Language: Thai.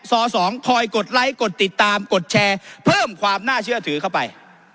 ๒คอยกดไลค์กดติดตามกดแชร์เพิ่มความน่าเชื่อถือเข้าไป